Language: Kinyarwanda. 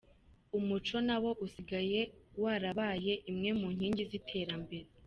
Umuco nawo usigaye warabaye imwe mu nkingi z’iterambere.